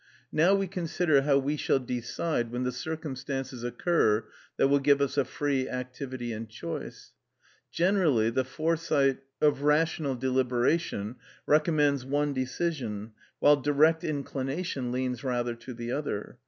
Now we consider how we shall decide when the circumstances occur that will give us a free activity and choice. Generally the foresight of rational deliberation recommends one decision, while direct inclination leans rather to the other.